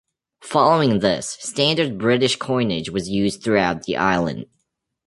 Following this, standard British coinage was used throughout the island.